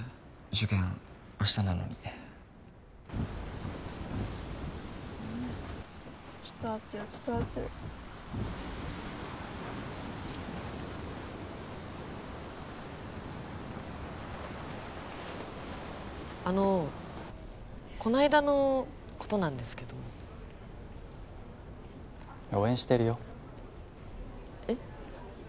受験明日なのに伝わってる伝わってるあのこの間のことなんですけど応援してるよえっ？